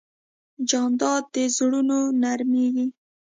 جانداد د زړونو نرمیږي.